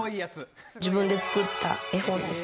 自分で作った絵本です。